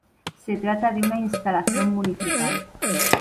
Se trata de una instalación municipal.